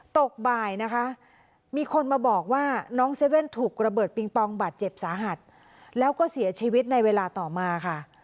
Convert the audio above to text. ตกบ่ายนะคะมีคนมาบอกว่าน้องเซเว่นถูกระเบิดปิงปองบาดเจ็บสาหัสแล้วก็เสียชีวิตในเวลาต่อมาค่ะ